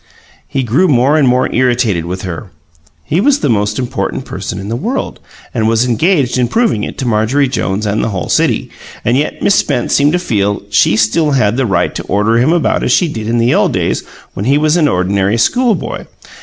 He grew more and more irritated with her; he was the most important person in the world and was engaged in proving it to Marjorie Jones and the whole city, and yet Miss Spence seemed to feel she still had the right to order him about as she did in the old days when he was an ordinary schoolboy.